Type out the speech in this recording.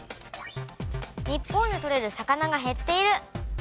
「日本でとれる魚が減っている」。